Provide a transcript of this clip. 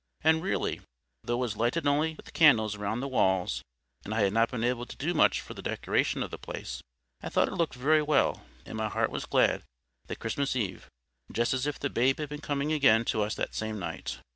And really, though it was lighted only with candles round the walls, and I had not been able to do much for the decoration of the place, I thought it looked very well, and my heart was glad that Christmas Eve—just as if the Babe had been coming again to us that same night.